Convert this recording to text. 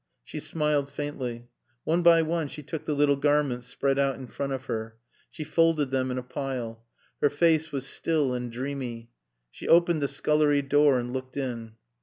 She smiled faintly. One by one she took the little garments spread out in front of her. She folded them in a pile. Her face was still and dreamy. She opened the scullery door and looked in.